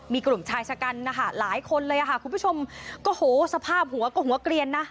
มีกลุ่มชายชะกันนะคะหลายคนเลยค่ะคุณผู้ชมก็โหสภาพหัวก็หัวเกลียนนะ